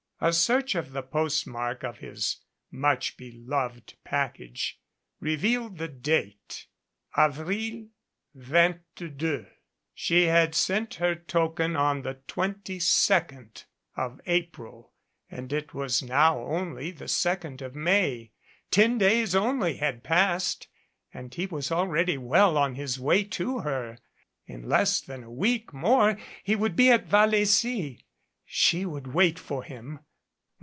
A search of the postmark of his much beloved package revealed the date "Av. %2" She had sent her token on the twenty second of April and it was now only the second of May. Ten days only had passed, and he was already well on his way to her. In less than a week more he would be in Vallecy. She would wait for him.